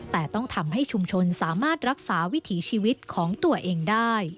แต่ต้องทำให้ชุมชนสามารถรักษาวิถีชีวิตของตัวเองได้